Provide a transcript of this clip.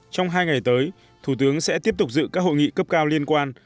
trong hai ngày tới thủ tướng sẽ tiếp tục dự các hội nghị cấp cao liên quan